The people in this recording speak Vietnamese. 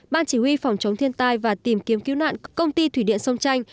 ban chỉ huy phòng chống thiên tai và tìm kiếm cứu nạn công ty thủy điện sông tranh